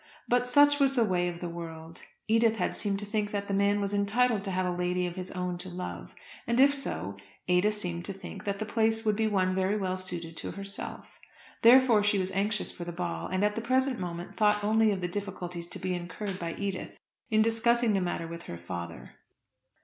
But such was the way of the world. Edith had seemed to think that the man was entitled to have a lady of his own to love; and if so, Ada seemed to think that the place would be one very well suited to herself. Therefore she was anxious for the ball; and at the present moment thought only of the difficulties to be incurred by Edith in discussing the matter with her father.